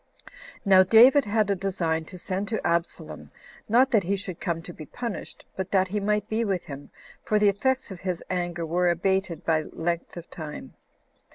4. Now David had a design to send to Absalom, not that he should come to be punished, but that he might be with him, for the effects of his anger were abated by length of time.